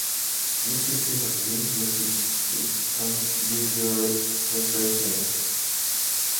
Neck City has been noted for its unusual place name.